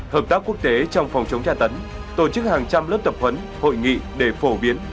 hợp tác quốc tế trong phòng chống tra tấn tổ chức hàng trăm lớp tập huấn hội nghị để phổ biến